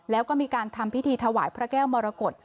แล้วก็มีการทำพิธีถวายพระแก้วมรกฏ